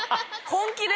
本気で？